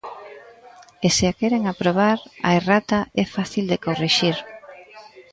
E se a queren aprobar, a errata é fácil de corrixir.